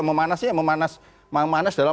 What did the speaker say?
memanasnya memanas memanas dalam